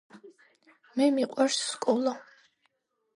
მე მიყვარს სკოლა